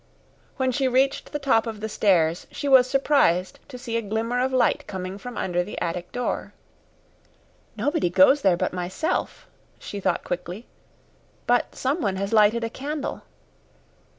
When she reached the top of the stairs, she was surprised to see a glimmer of light coming from under the attic door. "Nobody goes there but myself," she thought quickly, "but someone has lighted a candle."